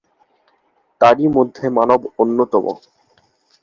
তারই মধ্যে মানব অন্যতম।